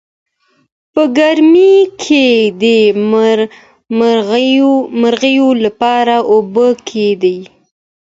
په ګرمۍ کې د مرغیو لپاره اوبه کیږدئ.